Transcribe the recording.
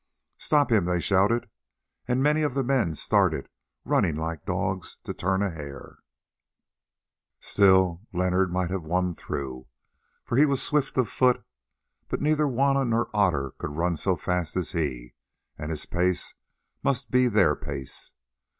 "Stop him!" they shouted, and many of the men started, running like dogs to turn a hare. Still Leonard might have won through, for he was swift of foot. But neither Juanna nor Otter could run so fast as he, and his pace must be their pace.